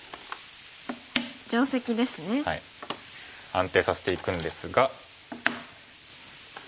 安定させていくんですが。